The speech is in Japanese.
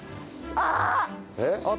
あっ！